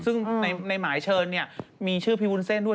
ซึ่งในหมายเชิญเนี่ยมีชื่อพี่วุ้นเส้นด้วย